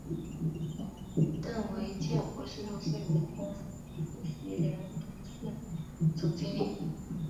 郑维健博士投资有限公司主席兼董事总经理。